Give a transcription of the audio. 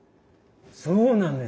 そうなんです。